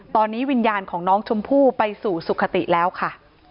ตอนนี้วิญญาณของน้องชมพู่ไปสู่สุขติแล้วค่ะ